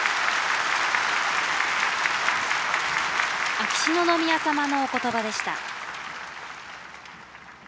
秋篠宮さまのおことばでした。